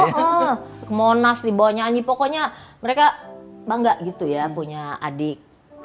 ke monas dibawa nyanyi pokoknya mereka bangga gitu ya punya adik